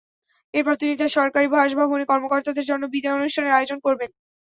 এরপর তিনি তাঁর সরকারি বাসভবনে কর্মকর্তাদের জন্য বিদায় অনুষ্ঠানের আয়োজন করবেন।